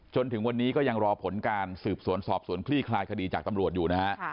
จนถึงวันนี้ก็ยังรอผลการสืบสวนสอบสวนคลี่คลายคดีจากตำรวจอยู่นะฮะ